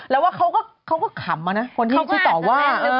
แล้วว่าเขาก็ขำนะคนที่ต่อว่า